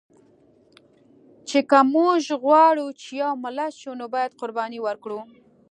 چې که مونږ غواړو چې یو ملت شو، نو باید قرباني ورکړو